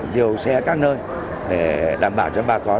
điều xe các nơi để đảm bảo cho bà con